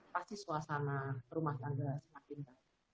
pasti suasana rumah tangga semakin